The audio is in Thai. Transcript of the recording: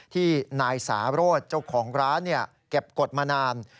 ที่นายสาโรธเจ้าของร้านเก็บกฎมานาน